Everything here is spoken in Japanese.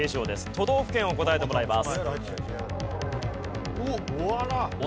都道府県を答えてもらいます。